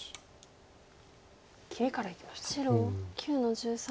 切りからいきました。